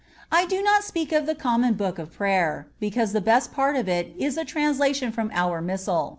I do not speak of the Book of Common Prayer, because the best part of it is a translation from our Missal.